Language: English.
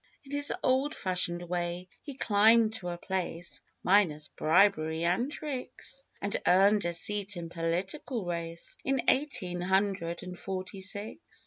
In his old fashioned way, he climbed to a "place," (Minus bribery and tricks.) And earned a seat in political race, In eighteen hundred and forty six.